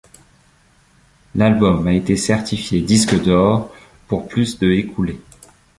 L'album a été certifié disque d'or, pour plus de écoulés.